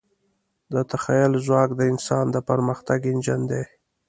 د تخیل ځواک د انسان د پرمختګ انجن دی.